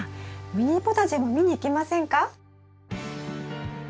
ミニポタジェも見に行きませんか？